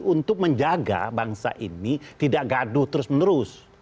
untuk menjaga bangsa ini tidak gaduh terus menerus